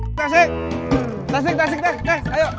gue mau ke ambon